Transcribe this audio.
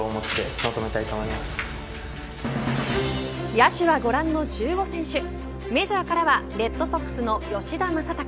野手はご覧の１５選手メジャーからはレッドソックスの吉田正尚。